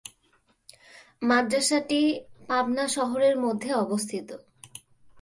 মাদ্রাসাটি পাবনা শহরের মধ্যে অবস্থিত।